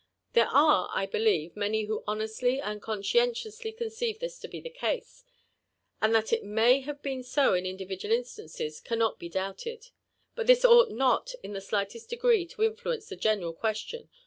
There are, I believe, many who honestly and conscientiously con eeive this to bo the case ; and that it hat have been so in individual instances cannot be doubted : but this ought not in the slightest degree to influence the general question.